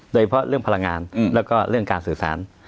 โดยเฉพาะเรื่องพลังงานแล้วก็เรื่องการสื่อสาร